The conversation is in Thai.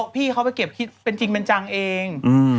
พี่เขาไปเก็บคิดเป็นจริงเป็นจังเอง